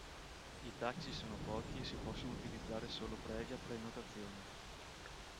I taxi sono pochi e si possono utilizzare solo previa prenotazione.